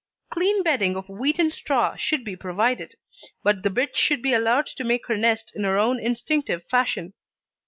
Clean bedding of wheaten straw should be provided, but the bitch should be allowed to make her nest in her own instinctive fashion.